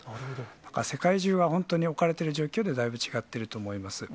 だから世界中が、本当に置かれている状況で、だいぶ違っていると思います。